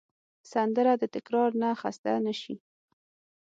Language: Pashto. سندره د تکرار نه خسته نه شي